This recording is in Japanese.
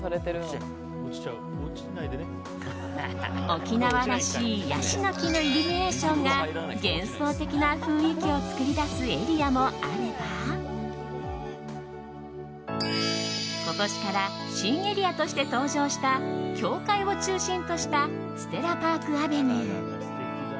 沖縄らしいヤシの木のイルミネーションが幻想的な雰囲気を作り出すエリアもあれば今年から新エリアとして登場した教会を中心としたステラパークアベニュー。